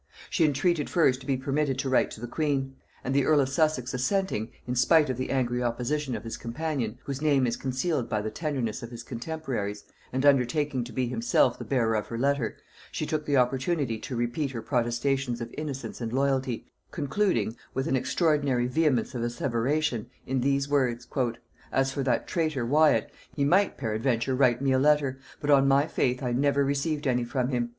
She entreated first to be permitted to write to the queen; and the earl of Sussex assenting, in spite of the angry opposition of his companion, whose name is concealed by the tenderness of his contemporaries, and undertaking to be himself the bearer of her letter, she took the opportunity to repeat her protestations of innocence and loyalty, concluding, with an extraordinary vehemence of asseveration, in these words: "As for that traitor Wyat, he might peradventure write me a letter; but on my faith I never received any from him.